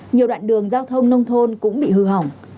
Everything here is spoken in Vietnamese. nhiều đoạn đường giao thông nông thôn cũng bị hư hỏng